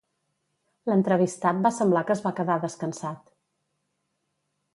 L'entrevistat va semblar que es va quedar descansat.